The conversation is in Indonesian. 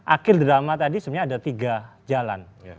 akhir drama tadi sebenarnya ada tiga jalan